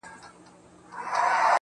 o گرانه په دغه سي حشر كي جــادو.